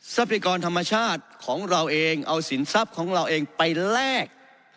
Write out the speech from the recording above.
ทรัพยากรธรรมชาติของเราเองเอาสินทรัพย์ของเราเองไปแลก